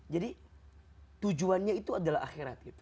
jadi tujuannya itu adalah akhirat gitu